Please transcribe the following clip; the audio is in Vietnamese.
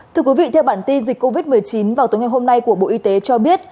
thưa quý vị theo bản tin dịch covid một mươi chín vào tối ngày hôm nay của bộ y tế cho biết